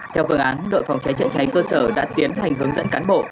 theo phương án đội phòng cháy chữa cháy cơ sở đã tiến hành hướng dẫn cán bộ